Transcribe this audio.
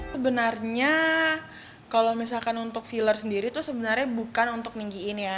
sebenarnya kalau misalkan untuk filler sendiri itu sebenarnya bukan untuk ninggiin ya